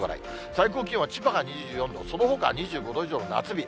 最高気温は千葉が２４度、そのほか２５度以上の夏日。